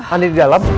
andin di dalam